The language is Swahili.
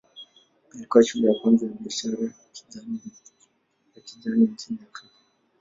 Ilikuwa shule ya kwanza ya biashara ya kijani nchini Afrika.